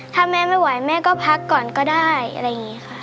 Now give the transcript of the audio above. ถ้าแม่ไม่ไหวแม่ก็พักก่อนก็ได้อะไรอย่างนี้ค่ะ